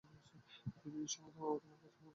দুই মিনিট সময় দাও, তোমার মনের মতো হয়ে দেখাচ্ছি।